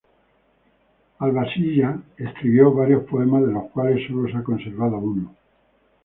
Al-Ballisiyya escribió varios poemas de los cuales solo se ha conservado uno.